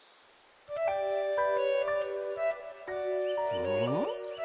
うん？